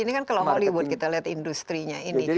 ini kan kalau hollywood kita lihat industrinya ini